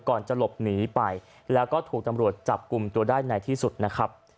ก่อนจะหลบหนีไปแล้วก็ถูกตำรวจจับกลุ่มตัวได้ในที่สุดนะครับ